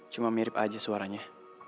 cuma mirip aja suaranya